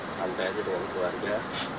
santai aja dengan keluarga